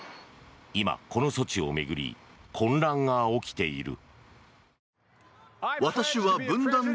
今、この措置を巡り混乱が起きている。